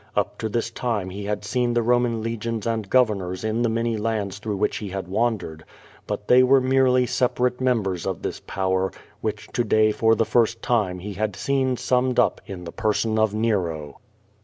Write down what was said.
Up to this time he had seen the Eoman legions and govern ors in the many lands through which he had wandered, but they were merely separate members of this power, which to day for the first time he had seen summed up in the person of Nero.